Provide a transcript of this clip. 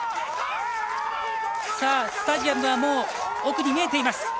スタジアムはもう奥に見えています。